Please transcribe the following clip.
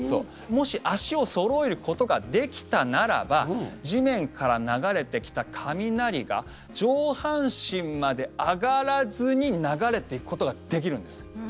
もし足をそろえることができたならば地面から流れてきた雷が上半身まで上がらずに流れていくことができるんです。